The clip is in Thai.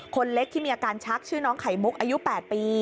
คนเล็กที่มีอาการชักชื่อน้องไข่มุกอายุ๘ปี